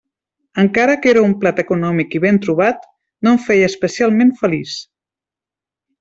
Encara que era un plat econòmic i ben trobat, no em feia especialment feliç.